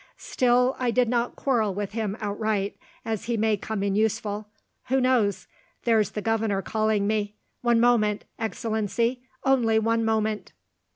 "Still, I did not quarrel with him outright, as he may come in useful. Who knows? There's the governor calling me. One moment, Excellency, only one moment!